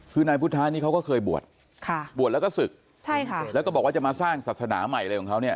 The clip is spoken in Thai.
คือนายพุทธะนี่เขาก็เคยบวชค่ะบวชแล้วก็ศึกใช่ค่ะแล้วก็บอกว่าจะมาสร้างศาสนาใหม่อะไรของเขาเนี่ย